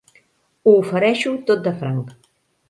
Ho ofereixo tot de franc.